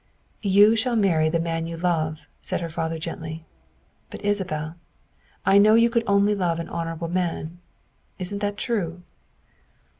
''" You shall marry the man you love," said her father gently; " but, Isabel, I know you could only love an honorable man. Isn't that true?"